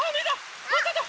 まただ！